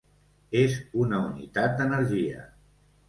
És una unitat d'energia.